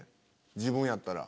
自分やったら。